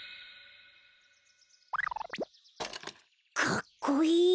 かっこいい！